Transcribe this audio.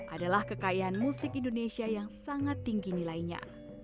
adalah kekayaan musik indonesia yang sangat tinggi nilainya